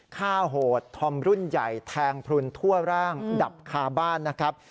โหดธอมรุ่นใหญ่แทงพลุนทั่วร่างดับคาบ้านนะครับ